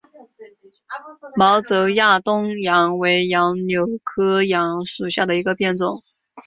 毛轴亚东杨为杨柳科杨属下的一个变种。